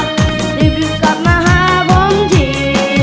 ดีกว่ากลับมาหาผมที่